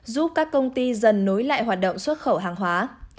giúp các công ty dần nối lại hoạt động xuất khẩu hàng hóa